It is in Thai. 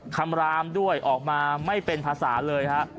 คำรามด้วยออกมาไม่เป็นภาษาเลยฮะ